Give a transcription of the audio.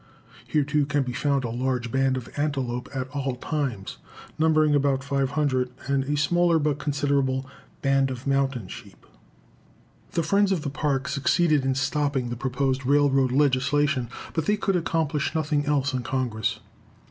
Here too can be found a large band of antelope at all times, numbering about 500, and a smaller, but considerable, band of mountain sheep. The friends of the Park succeeded in stopping the proposed railroad legislation, but they could accomplish nothing else in Congress.